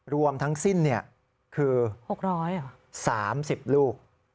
รวมทั้งสิ้นคือ๖๓๐ลูก